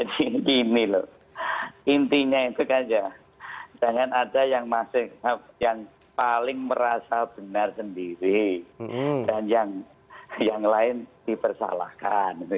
jadi ini loh intinya itu kan jangan ada yang paling merasa benar sendiri dan yang lain dipersalahkan